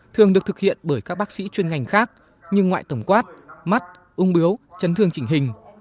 thường được thực hiện bởi các bác sĩ chuyên ngành khác như ngoại tổng quát mắt ung biếu chấn thương chỉnh hình